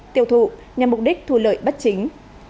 tiêu thụ nhằm mục đích thu lợi bất chính